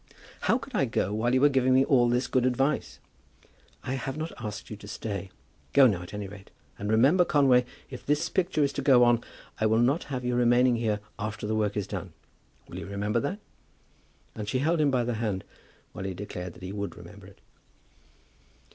"How could I go while you were giving me all this good advice?" "I have not asked you to stay. Go now, at any rate. And, remember, Conway, if this picture is to go on, I will not have you remaining here after the work is done. Will you remember that?" And she held him by the hand while he declared that he would remember it.